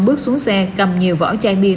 bước xuống xe cầm nhiều vỏ chai bia